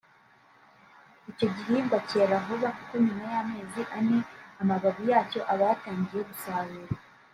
Icyo gihingwa cyera vuba kuko nyuma y’amezi ane amababi yacyo aba yatangiye gusarurwa